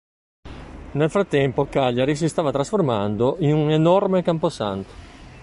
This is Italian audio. Nel frattempo Cagliari si stava trasformando in un enorme camposanto.